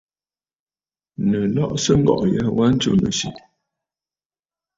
Nɨ̀ lɔꞌɔsə ŋgɔ̀ꞌɔ̀ ya wa ntsù nɨ̀syɛ̀!